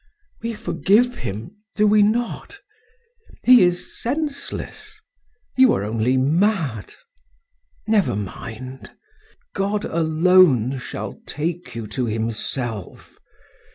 We forgive him, do we not? He is senseless; you are only mad. Never mind; God alone shall take you to Himself.